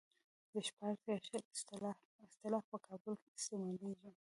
د شپاړس يا شل اصطلاح په کابل کې استعمالېږي.